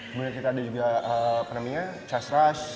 kemudian kita ada juga apa namanya chess rush